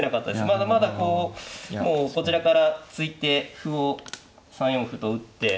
まだまだこうもうこちらから突いて歩を３四歩と打って。